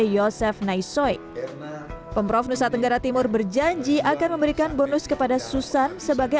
yosef naisoik pemprov nusa tenggara timur berjanji akan memberikan bonus kepada susan sebagai